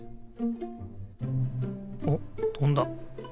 おっとんだ。